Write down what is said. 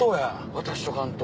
渡しとかんと。